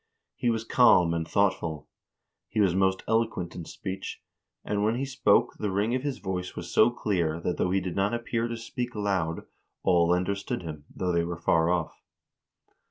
He was calm and thoughtful. He was most eloquent in speech, and when he spoke, the ring of his voice was so clear that though he did not appear to speak loud, all under stood him, though they were far off.